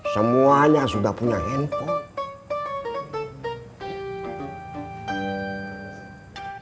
semuanya sudah punya handphone